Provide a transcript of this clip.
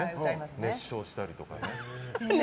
熱唱したりとか。